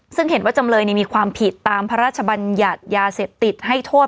ซึ่งเห็นว่าจำเลยมีความผิดตามพระราชบัญญัติยาเสพติดให้โทษ